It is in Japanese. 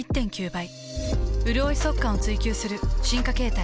うるおい速乾を追求する進化形態。